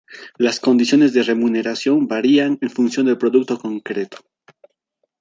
Las condiciones de remuneración varían en función del producto concreto.